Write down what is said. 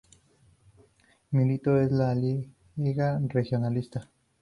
Militó en la Lliga Regionalista.